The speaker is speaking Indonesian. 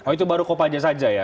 itu baru kopaja saja ya